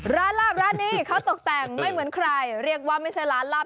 ลาบร้านนี้เขาตกแต่งไม่เหมือนใครเรียกว่าไม่ใช่ร้านลาบ